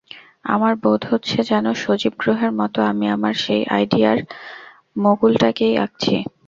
আমার বোধ হচ্ছে যেন সজীব গ্রহের মতো আমি আমার সেই আইডিয়ার মণ্ডলটাকেই আঁকছি।